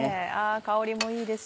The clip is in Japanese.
香りもいいですし。